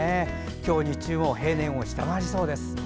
今日日中も平年を下回りそうです。